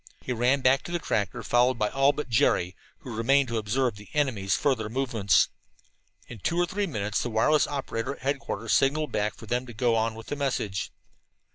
He ran back to the tractor, followed by all but Jerry, who remained to observe the enemy's further movements. In two or three minutes the wireless operator at headquarters signaled back for them to go on with the message.